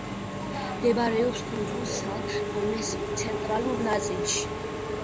მდებარეობს კუნძულ სან-ტომეს ცენტრალურ ნაწილში.